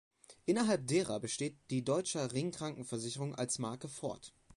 Innerhalb derer besteht die Deutscher Ring Krankenversicherung als Marke fort.